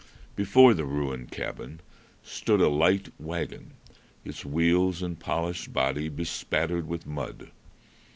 Before the ruined cabin stood a light wagon, its wheels and polished body bespattered with mud.